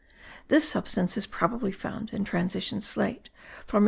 This substance is probably found in transition slate, for MM.